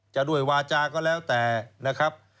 จะด้วยวาจาก็แล้วแต่นะครับ